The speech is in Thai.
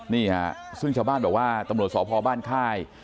นี่ซึ่งชาวบ้านบอกตำลวดสพบ้านค่าย